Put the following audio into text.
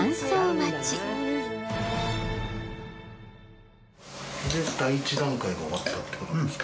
とりあえず第１段階が終わったってことなんですか？